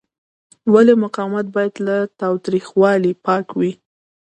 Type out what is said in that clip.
ولې مقاومت باید له تاوتریخوالي پاک وي؟